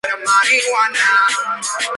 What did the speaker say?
El pago se hizo en los años siguientes.